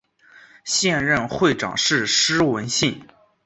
现任会长是施文信。